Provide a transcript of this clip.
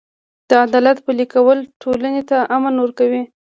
د عدالت پلي کول ټولنې ته امن ورکوي.